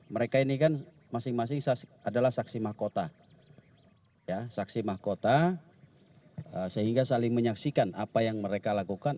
mereka ini kan masing masing adalah saksi mahkota saksi mahkota sehingga saling menyaksikan apa yang mereka lakukan